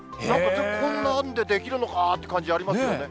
こんなんで出来るのかっていう感じ、ありますよね。